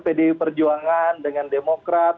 pd perjuangan dengan demokrat